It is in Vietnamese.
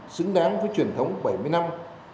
xứng đáng với truyền thống bảy mươi năm